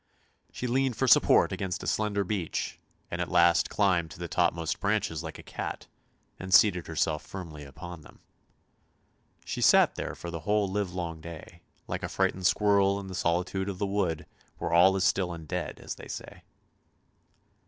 She leaned for support against a slender beech, and at last climbed to the topmost branches like a cat, and seated herself firmly upon them. She sat there for the whole livelong day, like a frightened squirrel in the solitude of the wood where all is still and dead, as they say